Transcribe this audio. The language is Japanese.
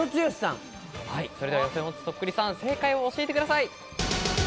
予選落ちそっくりさん、正解を教えてください。